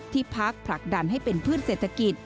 พักผลักดันให้เป็นพืชเศรษฐกิจ